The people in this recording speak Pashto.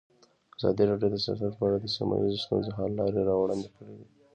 ازادي راډیو د سیاست په اړه د سیمه ییزو ستونزو حل لارې راوړاندې کړې.